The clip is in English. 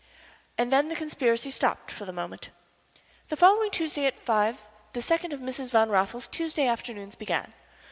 And then the conspiracy stopped for the moment. The following Tuesday at five the second of Mrs. Van Raffles's Tuesday afternoons began.